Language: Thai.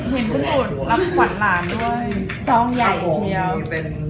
เห็นข้างบนรับขวัญล้านด้วย